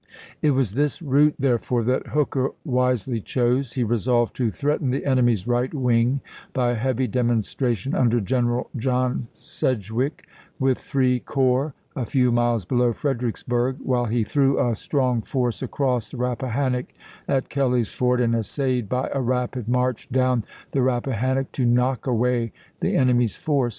It was this route, therefore, that Hooker wisely chose. He resolved to threaten the enemy's right wing by a heavy demonstration under General John Sedgwick, with three corps, a few miles below Fredericksburg, while he threw a strong force across the Rappahannock at Kelly's Ford and essayed, by a rapid march down the Rap pahannock, to "knock away" the enemy's force 92 ABRAHAM LINCOLN chap. iv.